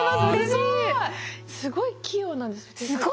すごい器用なんですね。